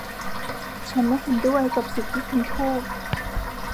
ฉันไม่เห็นด้วยกับสิ่งที่คุณพูด